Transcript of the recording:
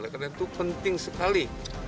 karena itu penting sekali